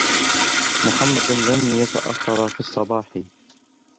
مُحَمَّدٌ لَنْ يَتَأَخَّرَ فِي الصَّبَاحِ.